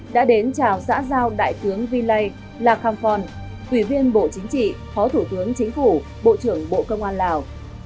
đã đến chào xã giao đại tướng vy lây lạc kham phong ủy viên bộ chính trị phó thủ tướng chính phủ bộ trưởng bộ công an lào